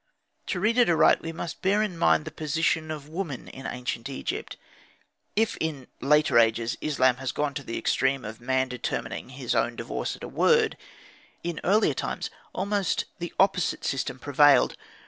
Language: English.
To read it aright we must bear in mind the position of woman in ancient Egypt. If, in later ages, Islam has gone to the extreme of the man determining his own divorce at a word, in early times almost the opposite system prevailed.